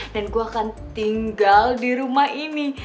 dan gue akan tinggal di rumah ini